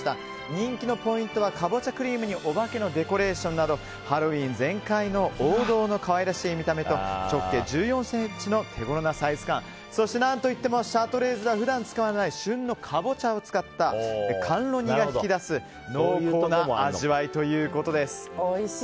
人気のポイントはカボチャクリームにお化けのデコレーションなどハロウィーン全開の王道の可愛らしい見た目と直径１４ｃｍの手頃なサイズ感そしてなんといってもシャトレーゼでは普段使われない旬のカボチャを使った甘露煮が引き出す濃厚な味わいということです。